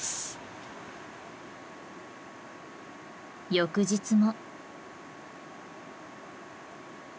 翌日も。